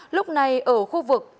lúc này ở khu vực bắc biển đông